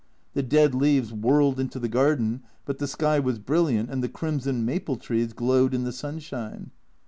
The dead leaves whirled into the garden, but the sky was brilliant, and the crimson maple trees glowed in the sunshine.